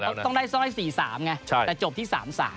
คือจริงต้องได้ซ้อย๔๓ไงแต่จบที่๓๓